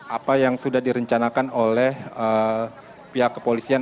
apa yang sudah direncanakan oleh pihak kepolisian